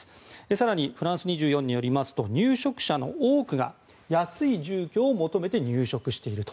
更に、フランス２４によりますと入植者の多くが安い住居を求めて入植していると。